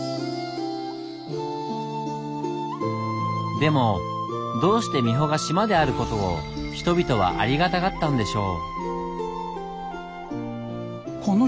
でもどうして三保が島である事を人々はありがたがったんでしょう。